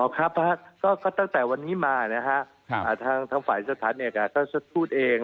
อ๋อครับฮะก็ตั้งแต่วันนี้มานะฮะทางฝ่ายสถานการณ์ก็จะพูดเอง